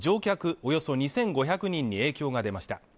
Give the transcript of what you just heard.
およそ２５００人に影響が出ました